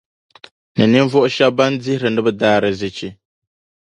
Ni ninvuɣu shεba ban dihiri ni bɛ daarzichi.